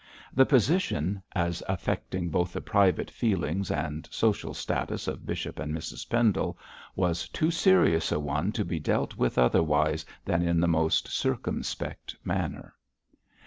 The position, as affecting both the private feelings and social status of Bishop and Mrs Pendle, was too serious a one to be dealt with otherwise than in the most circumspect manner.